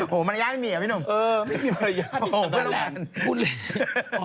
โหมารยาทไม่มีเหรอพี่หนุ่ม